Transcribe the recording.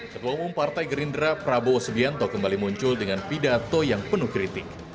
ketua umum partai gerindra prabowo subianto kembali muncul dengan pidato yang penuh kritik